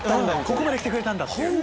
ここまで来てくれたんだっていう。